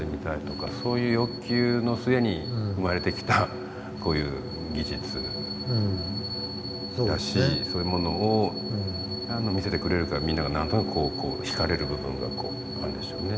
そういう欲求の末に生まれてきたこういう技術だしそういうものを見せてくれるからみんなが何となく惹かれる部分があるんでしょうね。